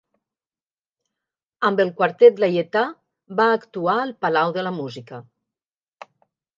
Amb el Quartet Laietà va actuar al Palau de la Música.